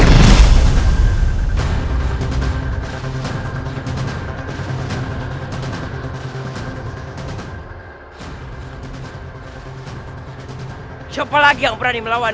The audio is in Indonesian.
hai siapa lagi yang berani melawan